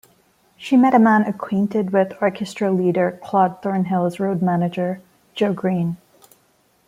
She met a man acquainted with orchestra leader Claude Thornhill's road manager, Joe Green.